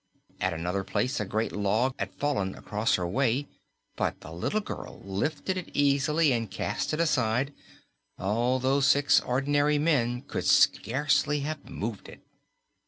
At another place a great log had fallen across her way, but the little girl lifted it easily and cast it aside, although six ordinary men could scarcely have moved it.